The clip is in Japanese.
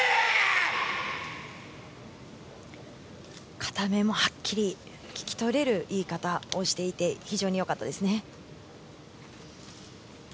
形名もはっきり聞き取れる言い方をしていて非常によかったですね。